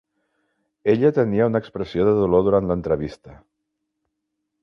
Ella tenia una expressió de dolor durant l'entrevista.